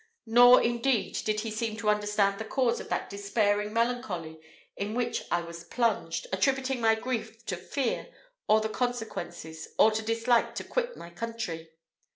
Nor, indeed, did he seem to understand the cause of that despairing melancholy in which I was plunged, attributing my grief to fear of the consequences, or to dislike to quit my country.